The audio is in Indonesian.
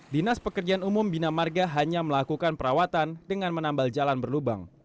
dinas pekerjaan umum bina marga hanya melakukan perawatan dengan menambal jalan berlubang